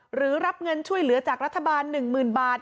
หรือรับเงินช่วยเหลือจากรัฐบาลหนึ่งหมื่นบาท